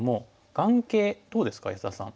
眼形どうですか安田さん。